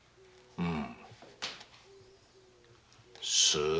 うん。